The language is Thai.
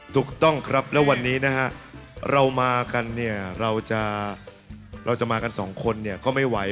ถูกต้องครับแล้ววันนี้นะฮะเรามากันเนี่ยเราจะเราจะมากันสองคนเนี่ยก็ไม่ไหว